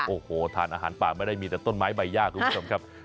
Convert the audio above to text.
โอ้โหทานอาหารป่าไม่ได้มีแต่ต้นไม้ใบยากคุณผู้ชมครับ